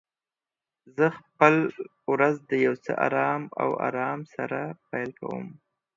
زه خپل ورځ د یو څه آرام او آرام سره پیل کوم.